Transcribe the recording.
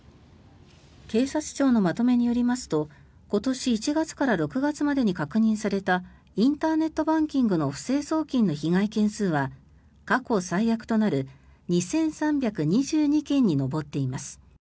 警察庁のまとめによりますと今年１月から６月までに確認されたインターネットバンキングの不正送金の被害件数は過去最悪となる２３２２件に上っています。